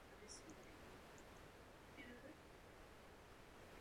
Na zakázku maloval také biblické motivy.